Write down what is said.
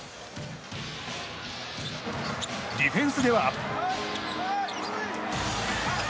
ディフェンスでは。